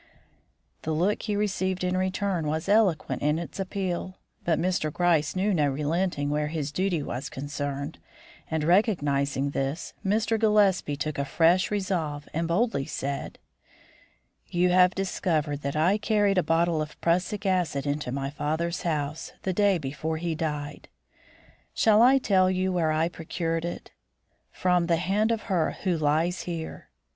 The look he received in return was eloquent in its appeal, but Mr. Gryce knew no relenting where his duty was concerned, and, recognising this, Mr. Gillespie took a fresh resolve and boldly said: "You have discovered that I carried a bottle of prussic acid into my father's house the day before he died. Shall I tell you where I procured it? From the hand of her who lies here.